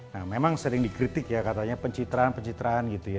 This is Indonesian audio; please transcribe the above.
nah memang sering dikritik ya katanya pencitraan pencitraan gitu ya